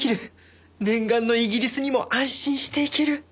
念願のイギリスにも安心して行ける